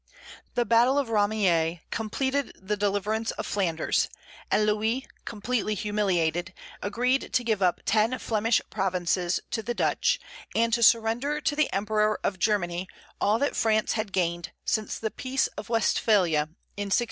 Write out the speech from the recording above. The battle of Ramillies completed the deliverance of Flanders; and Louis, completely humiliated, agreed to give up ten Flemish provinces to the Dutch, and to surrender to the Emperor of Germany all that France had gained since the peace of Westphalia in 1648.